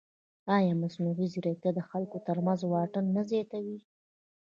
ایا مصنوعي ځیرکتیا د خلکو ترمنځ واټن نه زیاتوي؟